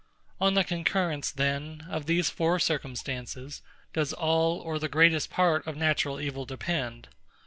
On the concurrence, then, of these four circumstances, does all or the greatest part of natural evil depend.